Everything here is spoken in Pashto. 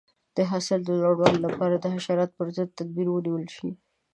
د حاصل د لوړوالي لپاره د حشراتو پر ضد تدابیر ونیول شي.